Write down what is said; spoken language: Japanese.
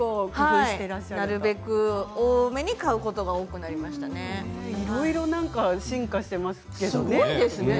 多めに買うことがいろいろ進化していますね。